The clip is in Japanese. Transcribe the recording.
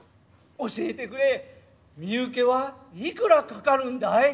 教えてくれ身請けはいくらかかるんだい？